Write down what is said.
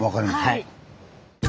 はい。